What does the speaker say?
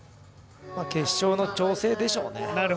決勝の調整でしょうね。